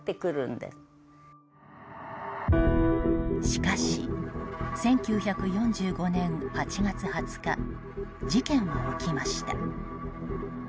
しかし、１９４５年８月２０日事件は起きました。